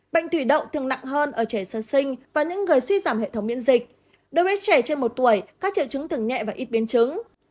bệnh thủy đậu thường nặng hơn ở trẻ sơ sinh và những người suy giảm hệ thống miễn dịch đối với trẻ trên một tuổi các triệu chứng thường nhẹ và ít biến chứng